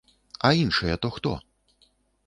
А іншыя то хто?